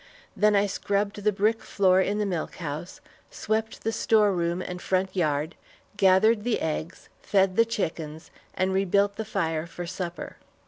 Then I scrubbed the brick floor in the milk house; swept the store room and front yard; gathered the eggs, fed the chickens, and rebuilt the fire for supper.